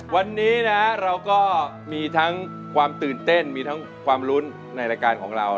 วันนี้นะเราก็มีทั้งความตื่นเต้นมีทั้งความลุ้นในรายการของเรา